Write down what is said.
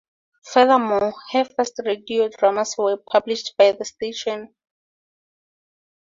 Furthermore, her first radio dramas were published by the station.